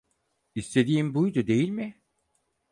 İstediğin buydu, değil mi?